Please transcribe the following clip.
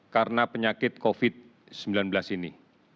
karena penyakit covid sembilan belas ini